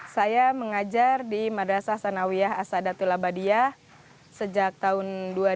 saya mengajar di madrasah sanawiyah asadatul abadiah sejak tahun dua ribu